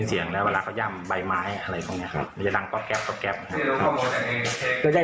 นี่เขาเล่นปีหลังคาเราเลยไง